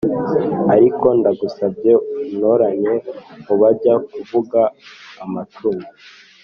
ariko ndagusabye untoranye mubajya kuvuga amacumu"